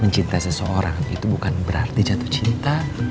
mencintai seseorang itu bukan berarti jatuh cinta